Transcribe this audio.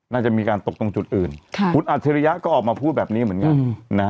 น่าจะมีการตกตรงจุดอื่นคุณอัจฉริยะก็ออกมาพูดแบบนี้เหมือนกันนะฮะ